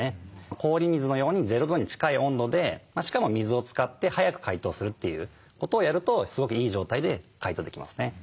氷水のように０度に近い温度でしかも水を使って速く解凍するということをやるとすごくいい状態で解凍できますね。